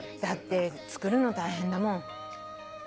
だって作るの大変だもん。